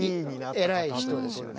えらい人ですよね。